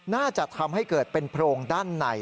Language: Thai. น่าจะทำให้เกิดเป็นโพรงด้านใน